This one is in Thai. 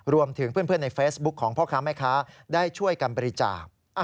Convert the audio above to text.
รวมถึงเพื่อนในเฟซบุ๊คของพ่อค้าแม่ค้าได้ช่วยกันบริจาค